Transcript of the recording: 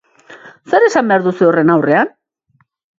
Zer esan behar duzue horren aurrean?